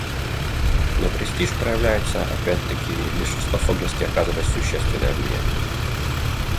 Но престиж проявляется опять-таки лишь в способности оказывать существенное влияние.